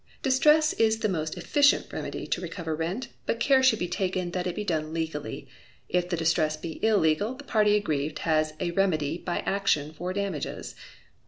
Distress is the most efficient remedy to recover rent, but care should be taken that it be done legally; if the distress be illegal, the party aggrieved has a remedy by action for damages.